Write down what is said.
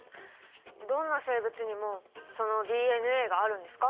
どんな生物にもそのＤＮＡがあるんですか？